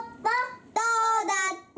どうだった？